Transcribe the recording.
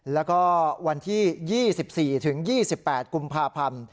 แล้วก็วันที่๒๔๒๘กุมภาพรรม